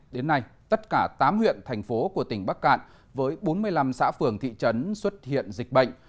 đến nay tất cả tám huyện thành phố của tỉnh bắc cạn với bốn mươi năm xã phường thị trấn xuất hiện dịch bệnh